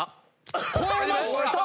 超えました！